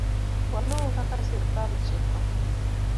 Waluw kaka sirkal chiko